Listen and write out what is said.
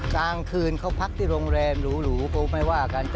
กลางคืนเขาพักที่โรงแรมหรูก็ไม่ว่ากัน